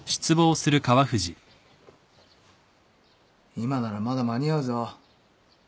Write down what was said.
今ならまだ間に合うぞ。